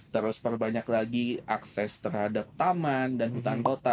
terus perbanyak lagi akses terhadap taman dan hutan kota